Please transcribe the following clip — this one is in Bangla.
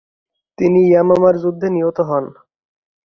তিনি ইয়ামামার যুদ্ধে নিহত হন।